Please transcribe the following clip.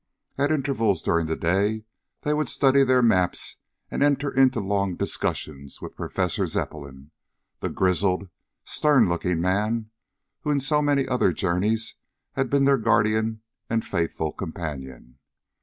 At intervals during the day they would study their maps and enter into long discussions with Professor Zepplin, the grizzled, stern looking man who in so many other journeys had been their guardian and faithful companion.